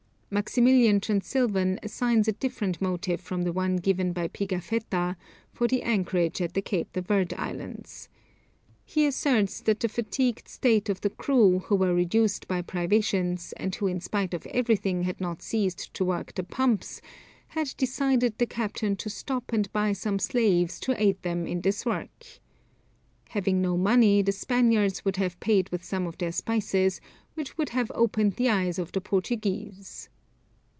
Maximilian Transylvain assigns a different motive from the one given by Pigafetta, for the anchorage at the Cape de Verd Islands. He asserts that the fatigued state of the crew, who were reduced by privations, and who in spite of everything had not ceased to work the pumps, had decided the captain to stop and buy some slaves to aid them in this work. Having no money the Spaniards would have paid with some of their spices, which would have opened the eyes of the Portuguese.